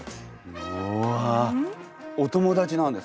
おわお友達なんですか？